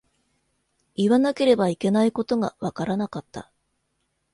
言わなければいけないことがわからなかった。